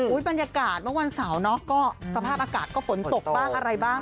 บรรยากาศเมื่อวันเสาร์เนาะก็สภาพอากาศก็ฝนตกบ้างอะไรบ้าง